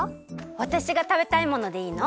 わたしがたべたいものでいいの？